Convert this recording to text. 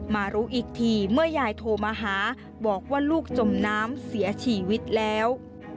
มารู้อีกทีเมื่อยายโทรมาหาบอกว่าลูกจมน้ำเสียชีวิตแล้ว